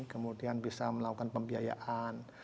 kemudian bisa melakukan pembiayaan